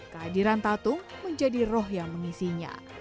kehadiran tatung menjadi roh yang mengisinya